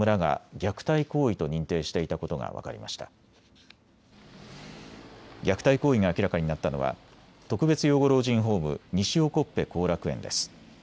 虐待行為が明らかになったのは特別養護老人ホームにしおこっぺ興楽園です。